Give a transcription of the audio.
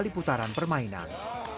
kali putaran permainan